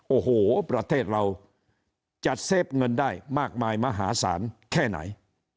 โอ้โหประเทศเราจัดเซฟเงินได้มากมายมหาศาลแค่ไหน